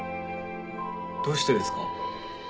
どうしてですか？